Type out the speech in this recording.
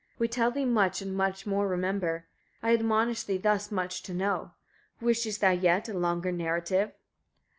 We tell thee much, and more remember. I admonish thee thus much to know. Wishest thou a yet longer narrative?